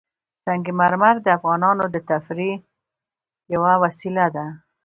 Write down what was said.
سنگ مرمر د افغانانو د تفریح یوه وسیله ده.